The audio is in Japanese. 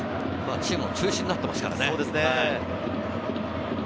チームの中心になっていますからね。